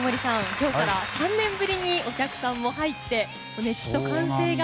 今日から３年ぶりにお客さんも入って熱気と歓声が。